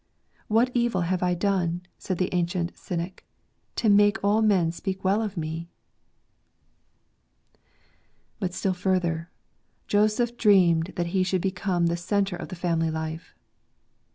"What evil have I done," said the ancient Cynic, " to make all men speak well of me ?" But still further, Joseph dreamed that he should become the centre of the family life.